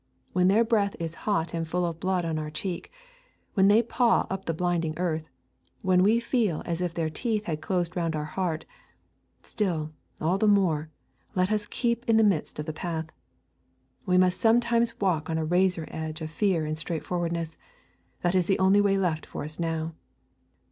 When their breath is hot and full of blood on our cheek; when they paw up the blinding earth; when we feel as if their teeth had closed round our heart, still, all the more, let us keep in the midst of the path. We must sometimes walk on a razor edge of fear and straightforwardness; that is the only way left for us now.